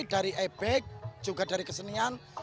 dari ebek juga dari kesenian